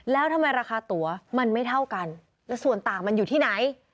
แล้วทำไมราคาตัวมันไม่เท่ากันส่วนต่างมันอยู่ที่ไหน